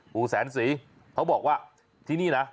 ปู่แสนศรีเขาบอกว่าที่นี่นะ